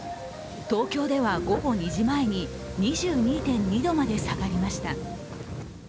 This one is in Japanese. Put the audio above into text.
東京では午後２時前に２２．２度まで下がりました。